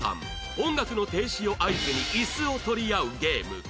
音楽の停止を合図にイスを取り合うゲーム